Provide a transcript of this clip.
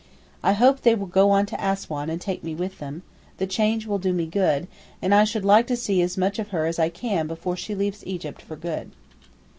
I hope they will go on to Assouan and take me with them; the change will do me good, and I should like to see as much of her as I can before she leaves Egypt for good.